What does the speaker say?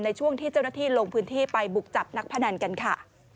ในช่วงที่เจ้าหน้าที่ลงพื้นที่ไปบุกจับนักพนันกันค่ะ